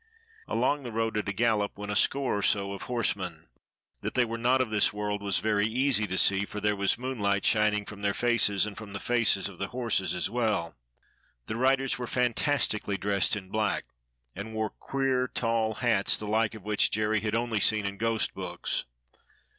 Along the road at a gallop went a score or so of horsemen: that they were not of this world was very easy to see, for there was moonlight 58 DOCTOR SYN shining from their faces and from the faces of the horses as well. The riders were fantastically dressed in black, and wore queer tall hats the like of which Jerry had only seen in ghost books.